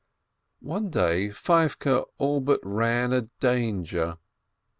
One day Feivke all but ran a danger.